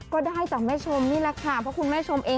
ก็ได้จากแม่ชมนี่แหละค่ะเพราะคุณแม่ชมเอง